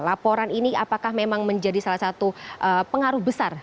laporan ini apakah memang menjadi salah satu pengaruh besar